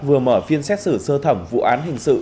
vừa mở phiên xét xử sơ thẩm vụ án hình sự